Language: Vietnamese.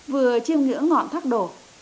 vừa chiêm ngưỡng ngọn thác đổ